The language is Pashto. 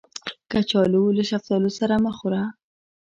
کچالو له شفتالو سره مه خوړه